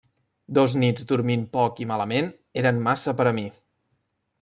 Dos nits dormint poc i malament eren massa per a mi.